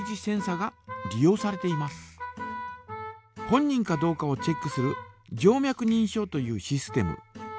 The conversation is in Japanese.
本人かどうかをチェックする静脈にんしょうというシステム。